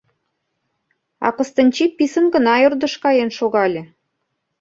А Кыстинчи писын гына ӧрдыш каен шогале.